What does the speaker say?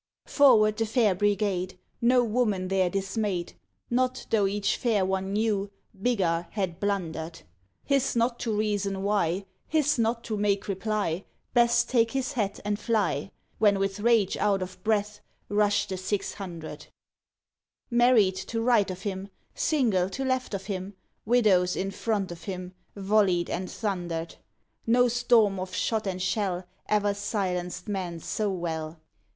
Forward the fair brigade. No woman there dismayed. Not though each fair one knew Biggar had blundered. His not to reason why. His not to make reply. Best take his hat and fly, When with rage out of breath Rushed the Six Hundred Married to right of him, Single to left of him. Widows in front of him. Volleyed and thundered. No storm of shot and shell E'er silenced man so well.